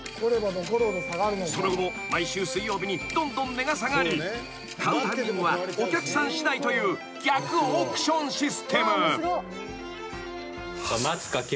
［その後も毎週水曜日にどんどん値が下がり買うタイミングはお客さんしだいという逆オークションシステム］